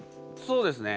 そうですね。